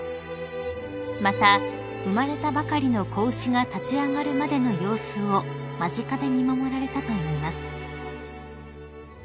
［また生まれたばかりの子牛が立ち上がるまでの様子を間近で見守られたといいます］